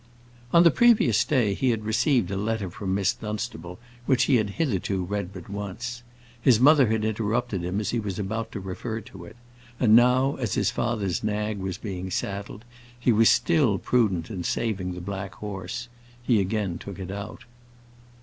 On the previous day he had received a letter from Miss Dunstable, which he had hitherto read but once. His mother had interrupted him as he was about to refer to it; and now, as his father's nag was being saddled he was still prudent in saving the black horse he again took it out.